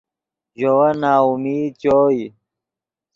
ژے ون ناامید چوئے